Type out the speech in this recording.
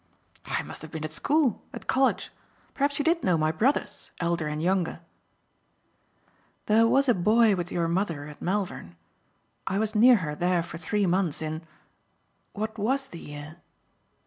"I must have been at school at college. Perhaps you did know my brothers, elder and younger." "There was a boy with your mother at Malvern. I was near her there for three months in what WAS the year?"